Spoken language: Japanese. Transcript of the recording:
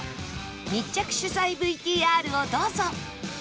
密着取材 ＶＴＲ をどうぞ